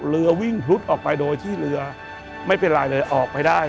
เรือวิ่งพลุดออกไปโดยที่เรือไม่เป็นไรเลยออกไปได้